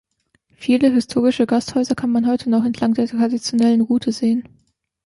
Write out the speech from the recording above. Viele historische Gasthäuser kann man heute noch entlang der traditionellen Route sehen.